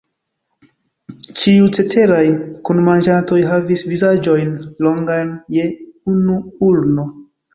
Ĉiuj ceteraj kunmanĝantoj havis vizaĝojn longajn je unu ulno.